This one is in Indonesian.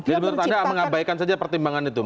jadi menurut anda mengabaikan saja pertimbangan itu